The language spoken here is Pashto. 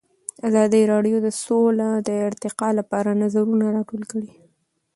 ازادي راډیو د سوله د ارتقا لپاره نظرونه راټول کړي.